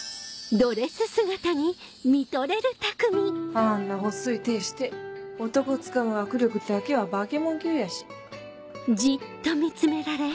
あんな細い手して男つかむ握力だけは化け物級やし。